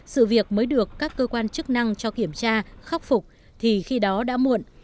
sự việc mới được các cơ quan chức năng cho kiểm tra khắc phục thì khi đó đã muộn